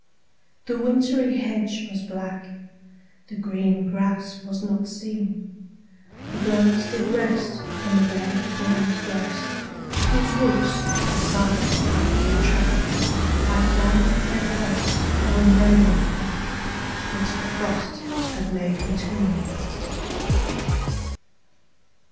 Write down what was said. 2. The wintry hedge was black, The green grass was not seen, The birds did rest on the bare thorn's breast, Whose roots, beside the pathway track, _10 Had bound their folds o'er many a crack Which the frost had made between.